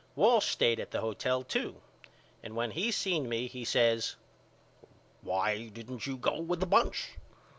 Walsh stayed at the hotel too and when he seen me he says Why didn't you go with the bunch?